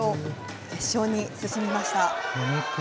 決勝に進みました。